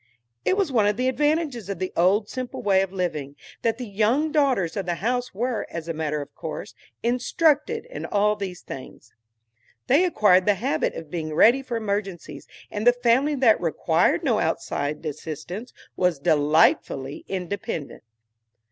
It was one of the advantages of the old simple way of living, that the young daughters of the house were, as a matter of course, instructed in all these things. They acquired the habit of being ready for emergencies, and the family that required no outside assistance was delightfully independent.